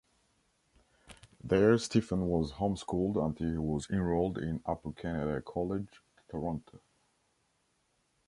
There Stephen was home-schooled until he was enrolled in Upper Canada College, Toronto.